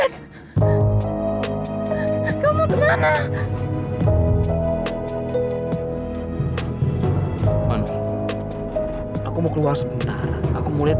sampai ketemu lagi